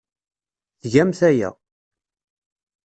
Tgamt aya.